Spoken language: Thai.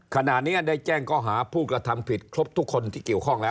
ขณะนี้ได้แจ้งข้อหาผู้กระทำผิดครบทุกคนที่เกี่ยวข้องแล้ว